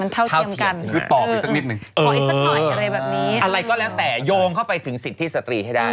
ใช้เท่าเทียมกันค่ะเอออ่ะเอออะไรก็แล้วแต่โยงเข้าไปถึงสิทธิสตรีให้ได้